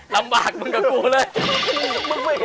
ลำบากมึงกับกูเลย